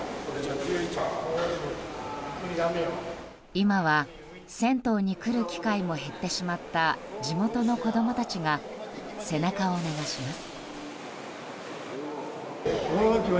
今は銭湯に来る機会も減ってしまった地元の子供たちが背中を流します。